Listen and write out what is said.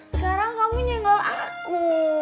sekarang kamu nyenggol aku